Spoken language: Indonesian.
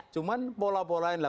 cuma pola pola lain lah